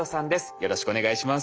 よろしくお願いします。